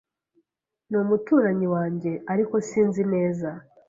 Ni umuturanyi wanjye, ariko sinzi neza.